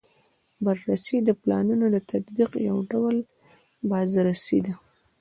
بررسي د پلانونو د تطبیق یو ډول بازرسي ده.